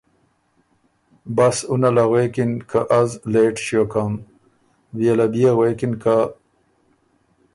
بس اُنه له غوېکِن که ”از لېټ ݭیوکم“ بيې له بيې غوېکن که